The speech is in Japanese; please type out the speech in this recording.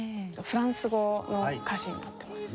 フランス語の歌詞になってます。